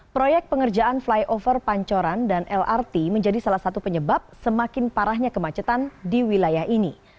proyek pengerjaan flyover pancoran dan lrt menjadi salah satu penyebab semakin parahnya kemacetan di wilayah ini